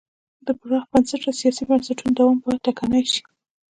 د پراخ بنسټه سیاسي بنسټونو دوام به ټکنی شي.